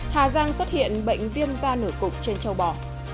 hà giang xuất hiện bệnh viêm da nổi cục trên châu bò